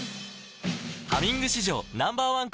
「ハミング」史上Ｎｏ．１抗菌